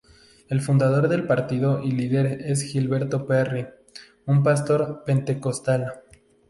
El fundador del partido y líder es Gilberto Perri, un pastor pentecostal.